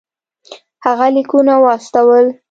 هغه لیکونه واستول.